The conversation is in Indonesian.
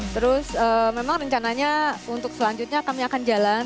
terus memang rencananya untuk selanjutnya kami akan jalan